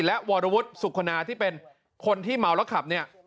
และวารวุฒิสุขนาที่เป็นคนที่เหมาและขับ